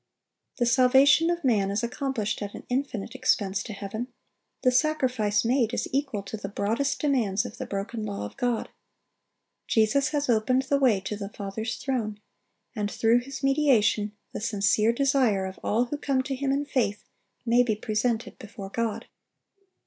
The salvation of man is accomplished at an infinite expense to heaven; the sacrifice made is equal to the broadest demands of the broken law of God. Jesus has opened the way to the Father's throne, and through His mediation the sincere desire of all who come to Him in faith may be presented before God.